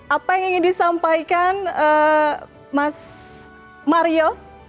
apa yang ingin disampaikan mas mario